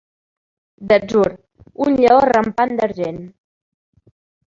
D'atzur, un lleó rampant d'argent.